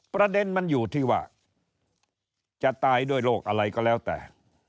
ประเด็นมันอยู่ที่ว่าจะตายด้วยโรคอะไรก็แล้วแต่